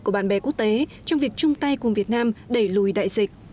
của bạn bè quốc tế trong việc chung tay cùng việt nam đẩy lùi đại dịch